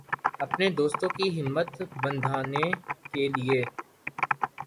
اپنے دوستوں کی ہمت بندھانے کے لئے